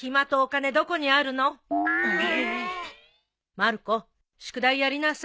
まる子宿題やりなさい。